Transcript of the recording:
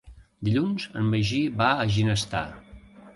Dilluns en Magí va a Ginestar.